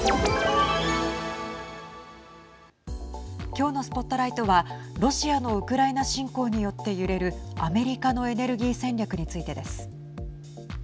きょうのＳＰＯＴＬＩＧＨＴはロシアのウクライナ侵攻によって揺れるアメリカのエネルギー戦略についてです。